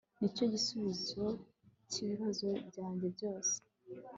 nicyo gisubizo cyibibazo byanjye byose